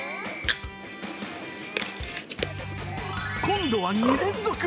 今度は２連続。